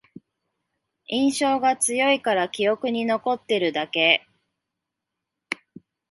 印象が強いから記憶に残ってるだけ